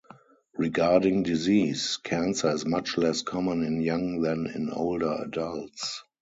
Regarding disease, cancer is much less common in young than in older adults.